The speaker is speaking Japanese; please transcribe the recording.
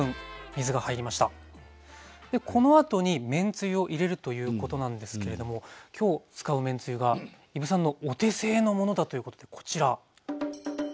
でこのあとにめんつゆを入れるということなんですけれども今日使うめんつゆが伊武さんのお手製のものだということでこちら。